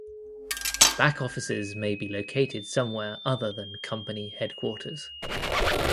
Back offices may be located somewhere other than company headquarters.